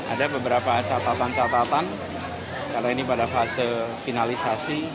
ada beberapa catatan catatan karena ini pada fase finalisasi